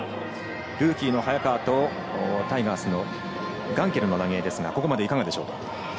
ルーキーの早川とタイガースのガンケルの投げ合いですがここまでいかがでしょうか。